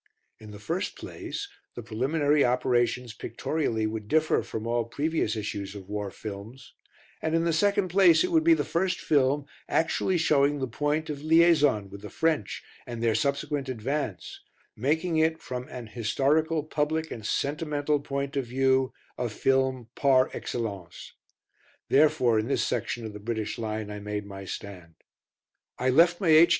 In the first place the preliminary operations pictorially would differ from all previous issues of war films, and in the second place it would be the first film actually showing the point of "liaison" with the French and their subsequent advance making it, from an historical, public, and sentimental point of view, a film par excellence. Therefore in this section of the British line I made my stand. I left my H.